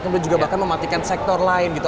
kemudian juga bahkan mematikan sektor lain gitu